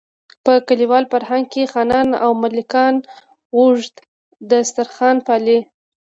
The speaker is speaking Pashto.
په کلیوال فرهنګ کې خانان او ملکان اوږد دسترخوان پالي.